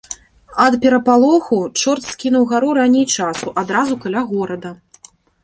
Ад пярэпалаху чорт скінуў гару раней часу адразу каля горада.